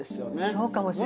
そうかもしれない。